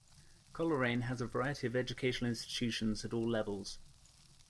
Coleraine has a variety of educational institutions at all levels.